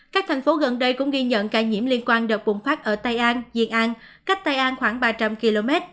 các thành phố gần đây cũng ghi nhận ca nhiễm liên quan đợt bùng phát ở tây an diện an cách tây an khoảng ba trăm linh km